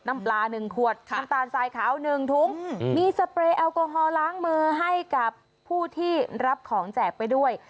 น้ำปลา๑ขวดน้ำตาลทรายขาว๑ถุงมีสเปรย์แอลกอฮอลล้างมือให้กับผู้ที่รับของแจกไปด้วย